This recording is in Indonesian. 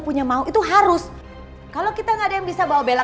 kalau kita selesai dengan digunakan dan pernah